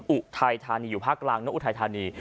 อุไททานีอยู่ภาคกลางและอุไททานี